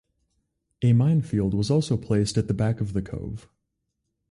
A minefield was also placed at the back of the cove.